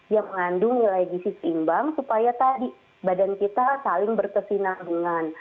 yang mengandung nilai gizi seimbang supaya tadi badan kita saling berkesinambungan